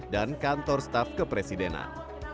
dan kantor staff kepresidenan